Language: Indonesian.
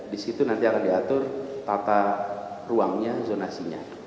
di situ nanti akan diatur tata ruangnya zonasinya